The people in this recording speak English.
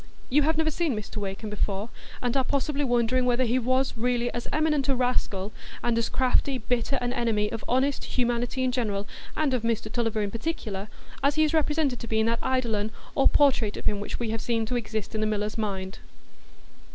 You have never seen Mr Wakem before, and are possibly wondering whether he was really as eminent a rascal, and as crafty, bitter an enemy of honest humanity in general, and of Mr Tulliver in particular, as he is represented to be in that eidolon or portrait of him which we have seen to exist in the miller's mind.